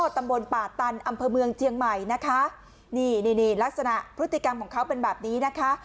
ตำบลป่าตันอำเภอเมืองเจียงใหม่นะคะนี่นี่ลักษณะพฤติกรรมของเขาเป็นแบบนี้นะคะ